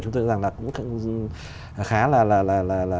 chúng tôi rằng là cũng khá là